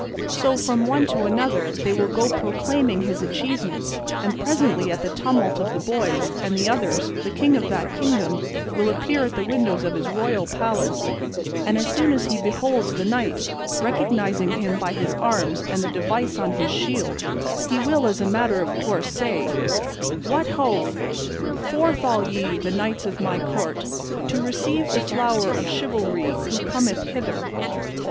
So from one to another they will go proclaiming his achievements; and presently at the tumult of the boys and the others the king of that kingdom will appear at the windows of his royal palace, and as soon as he beholds the knight, recognising him by his arms and the device on his shield, he will as a matter of course say, 'What ho! Forth all ye, the knights of my court, to receive the flower of chivalry who cometh hither!